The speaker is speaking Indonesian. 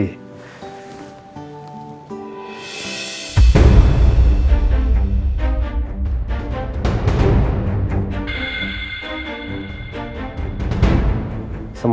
nanti aku ke rumah